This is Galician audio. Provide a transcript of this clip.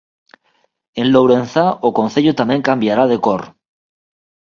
En Lourenzá o concello tamén cambiará de cor.